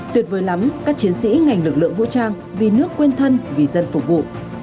tuyệt vời lắm các chiến sĩ ngành lực lượng vũ trang vì nước quên thân vì dân phục vụ